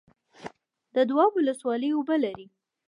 د دواب ولسوالۍ اوبه لري